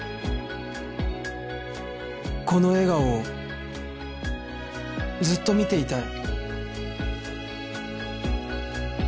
この笑顔をずっと見ていたい